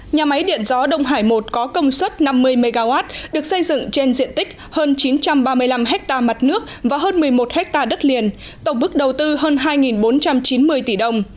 nhà máy điện gió đông hải một có công suất năm mươi mw được xây dựng trên diện tích hơn chín trăm ba mươi năm ha mặt nước và hơn một mươi một ha đất liền tổng bức đầu tư hơn hai bốn trăm chín mươi tỷ đồng